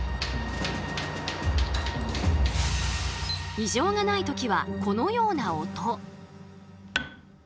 異常がない時はこのような音。